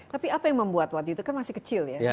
tapi apa yang membuat waktu itu kan masih kecil ya